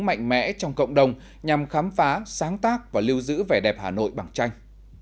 mạnh mẽ trong cộng đồng nhằm khám phá sáng tác và lưu giữ vẻ đẹp hà nội bằng tranh